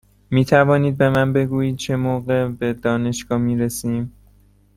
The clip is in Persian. می توانید به من بگویید چه موقع به دانشگاه می رسیم؟